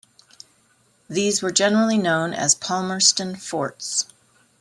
These were generally known as Palmerston Forts.